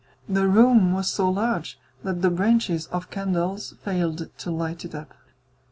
The room was so large that the branches of candles failed to light it up.